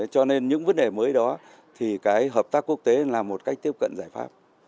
cho nên những vấn đề mới đó thì cái hợp tác quốc tế là một cách tiếp cận giải pháp